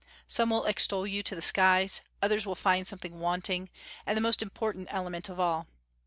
Some will extol you to the skies; others will find something wanting, and the most important element of all.